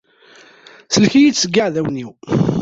Sellek-iyi-d seg yiɛdawen-iw.